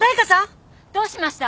・どうしました？